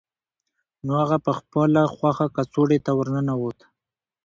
نو هغه په خپله خوښه کڅوړې ته ورننوته